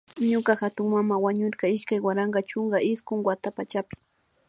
Ñuka hatunmana wañurka iskay waranka chunka iskun wata pachapi